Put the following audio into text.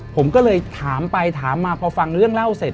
ผมก็เลยถามไปถามมาพอฟังเรื่องเล่าเสร็จ